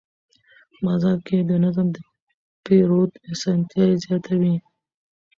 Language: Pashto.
بازار کې نظم د پیرود اسانتیا زیاتوي